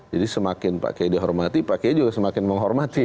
jadi semakin pak kiai dihormati pak kiai juga semakin menghormati